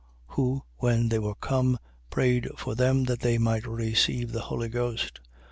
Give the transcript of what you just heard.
8:15. Who, when they were come, prayed for them that they might receive the Holy Ghost.